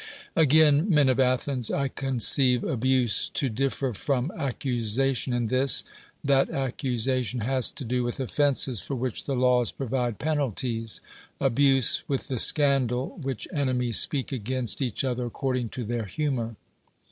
Again, men of Athens — I conceive abuse to dif fer from accusation in this, that accusation has to do with offenses for which the laws provide penalties, abuse with the scandal which enemies speak against each other according to their hu mor.